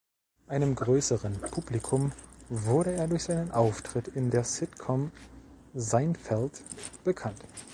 Einem größeren Publikum wurde er durch seinen Auftritt in der Sitcom "Seinfeld" bekannt.